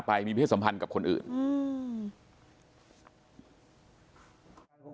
ไปมีสัมพันธ์กับคนอื่น